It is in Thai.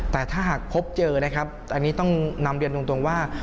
แต่ถ้าหากพบเจอนะครับอันนี้ต้องนำเรียนตรงว่า